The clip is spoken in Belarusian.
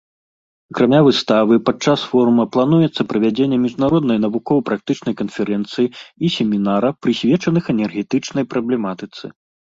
Акрамя выставы, падчас форума плануецца правядзенне міжнароднай навукова-практычнай канферэнцыі і семінара, прысвечаных энергетычнай праблематыцы.